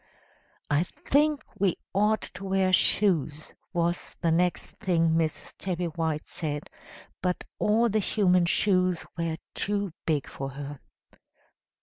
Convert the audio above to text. "'I think we ought to wear shoes,' was the next thing Mrs. Tabby White said; but all the human shoes were too big for her.